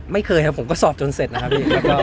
ไม่เคยครับผมก็สอบจนเสร็จนะครับพี่